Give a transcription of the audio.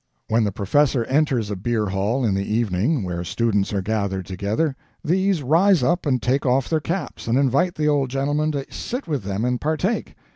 When the professor enters a beer hall in the evening where students are gathered together, these rise up and take off their caps, and invite the old gentleman to sit with them and partake.